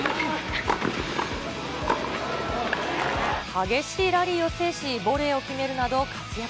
激しいラリーを制し、ボレーを決めるなど活躍。